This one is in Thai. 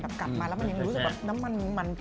กลับมาแล้วมันยังรู้สึกแบบน้ำมันมัน